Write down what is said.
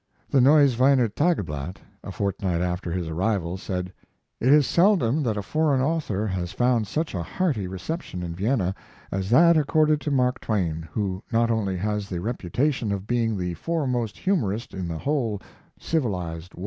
The 'Neues Viener Tageblatt', a fortnight after his arrival, said: It is seldom that a foreign author has found such a hearty reception in Vienna as that accorded to Mark Twain, who not only has the reputation of being the foremost humorist in the whole civilized.